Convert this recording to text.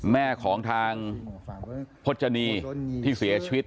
แม่ของทางพจนีที่เสียชีวิต